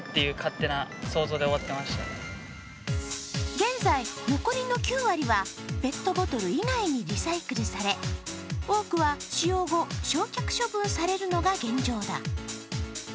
現在残りの９割はペットボトル以外にリサイクルされ、多くは使用後、焼却処分されるのが現状だ。